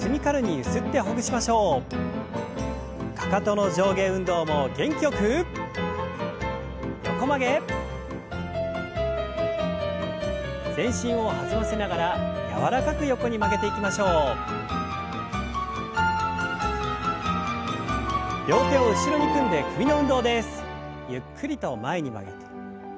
ゆっくりと前に曲げて。